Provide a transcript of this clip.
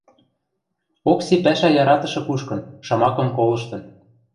Окси пӓшӓ яратышы кушкын, шамакым колыштын.